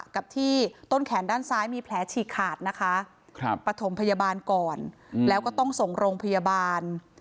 กับที่ต้นแขนด้านซ้ายมีแผลฉีกขาดนะคะปฐมพยาบาลก่อนแล้วก็ต้องส่งโรงพยาบาล